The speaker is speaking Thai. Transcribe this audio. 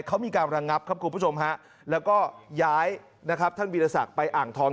เขามีการระงับครับคุณผู้ชมฮะแล้วก็ย้ายนะครับท่านวิรสักไปอ่างทอง